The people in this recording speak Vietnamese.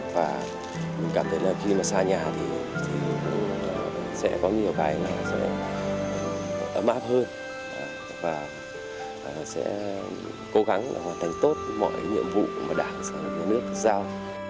và mình cảm thấy là khi mà xa nhà thì sẽ có nhiều cái là sẽ ấm áp hơn và sẽ cố gắng hoàn thành tốt mọi nhiệm vụ mà đảng và đảng nước giao